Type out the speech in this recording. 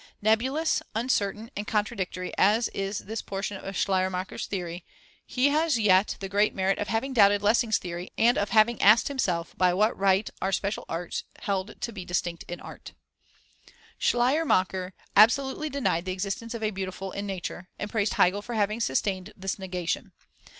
Nebulous, uncertain, and contradictory as is this portion of Schleiermacher's theory, he has yet the great merit of having doubted Lessing's theory, and of having asked himself by what right are special arts held to be distinct in art. Schleiermacher absolutely denied the existence of a beautiful in nature, and praised Hegel for having sustained this negation.